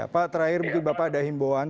pak terakhir mungkin bapak ada himbauan